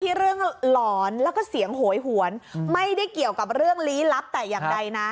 เรื่องหลอนแล้วก็เสียงโหยหวนไม่ได้เกี่ยวกับเรื่องลี้ลับแต่อย่างใดนะ